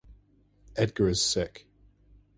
Edgar is sick.